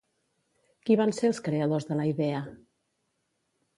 Qui van ser els creadors de la idea?